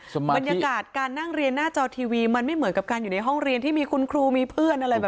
บรรยากาศการนั่งเรียนหน้าจอทีวีมันไม่เหมือนกับการอยู่ในห้องเรียนที่มีคุณครูมีเพื่อนอะไรแบบ